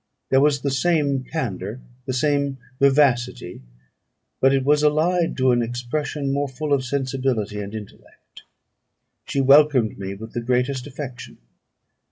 There was the same candour, the same vivacity, but it was allied to an expression more full of sensibility and intellect. She welcomed me with the greatest affection.